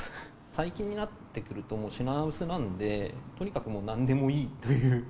最近になってくると、もう品薄なんで、とにかくもうなんでもいいという。